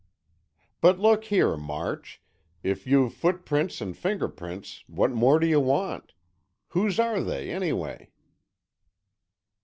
"But look here, March, if you've footprints and fingerprints, what more do you want? Whose are they, anyway?"